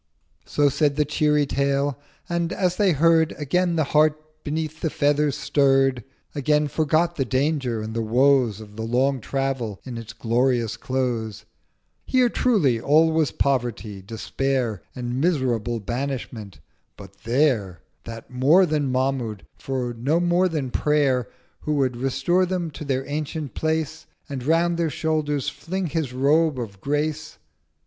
So said the cheery Tale: and, as they heard, Again the Heart beneath the Feather stirr'd: Again forgot the Danger and the Woes Of the long Travel in its glorious Close:—1090 'Here truly all was Poverty, Despair And miserable Banishment—but there That more than Mahmud, for no more than Prayer Who would restore them to their ancient Place, And round their Shoulders fling his Robe of Grace.'